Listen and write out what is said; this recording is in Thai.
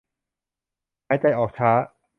หายใจออกช้า